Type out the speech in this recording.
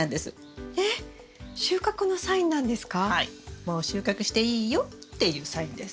もう収穫していいよっていうサインです。